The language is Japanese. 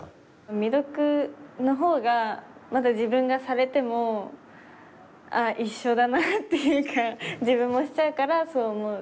未読の方がまだ自分がされてもああ一緒だなっていうか自分もしちゃうからそう思う。